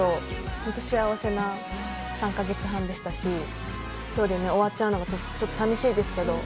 本当に幸せな３か月半でしたし今日で終わっちゃうのがちょっと寂しいですけど。